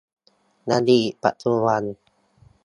อดีตปัจจุบัน